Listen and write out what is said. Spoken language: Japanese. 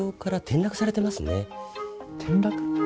転落？